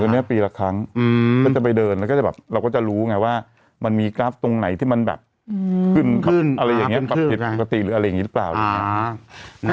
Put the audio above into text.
มันจะไปเดินแล้วก็จะแบบเราก็จะรู้ไงว่ามันมีกราฟตรงไหนที่มันแบบขึ้นอะไรอย่างเงี้ยปฏิเสธปกติหรืออะไรอย่างเงี้ยหรือเปล่า